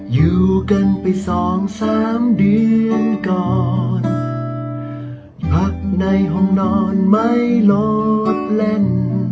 อยู่กันไปสองสามเดือนก่อนพักในห้องนอนไม่โลดเล่น